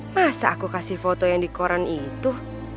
masa aku kasih foto yang di koran itu